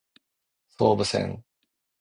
総武線